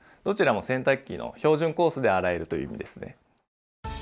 どちらも洗濯機の標準コースで洗えるという意味ですね。